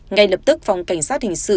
ngay lập tức phòng cảnh sát hình sự